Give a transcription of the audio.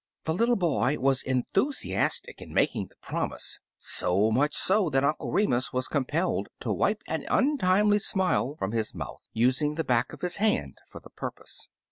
The little boy was enthusiastic in mak ing the promise, so much so that Uncle Remus was compelled to wipe an untimely smile from his mouth, using the back of his hand for the purpose.